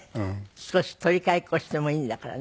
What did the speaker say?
少し取り替えっこしてもいいんだからね。